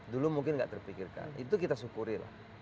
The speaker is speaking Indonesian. dulu mungkin tidak terpikirkan itu kita syukuri